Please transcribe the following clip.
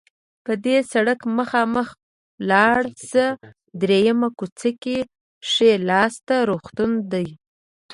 په دې سړک مخامخ لاړ شه، دریمه کوڅه کې ښي لاس ته روغتون ده.